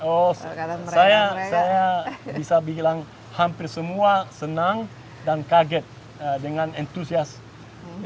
oh saya bisa bilang hampir semua senang dan kaget dengan entusiasme